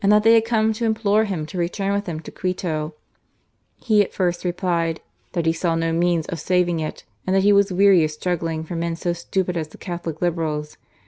that they had come^to implore him to rettmuwrith Aem toQaito/' He lyt ifirst replied ''that be saw no means of saying ^ mnd that he was weary of struggling ias men so /stnpid as the Catholic Liberals.